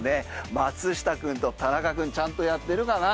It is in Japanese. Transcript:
松下くんと田中くんちゃんとやってるかな？